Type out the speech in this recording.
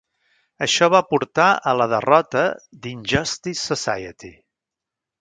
Això va portar a la derrota d'Injustice Society.